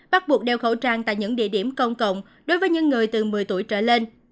bắt buộc đeo khẩu trang tại những địa điểm công cộng đối với những người từ một mươi tuổi trở lên